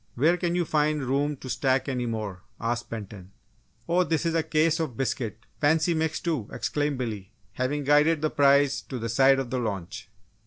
"Where can you find room to stack any more?" asked Benton. "Oh, this is a case of biscuits fancy mixed, too!" exclaimed Billy, having guided the prize to the side of the launch.